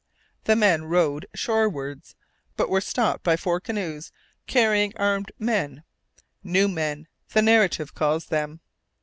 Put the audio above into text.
The men rowed shorewards, but were stopped by four canoes carrying armed men, "new men" the narrative calls them.